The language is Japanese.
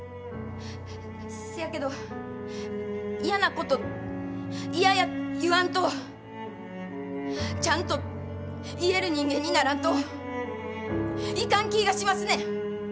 せやけど嫌なこと嫌や言わんとちゃんと言える人間にならんといかん気ぃがしますねん。